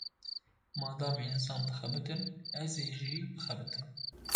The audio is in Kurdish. Madem însan dixebitin, ez ê jî bixebitim.